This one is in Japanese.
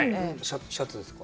シャツですか？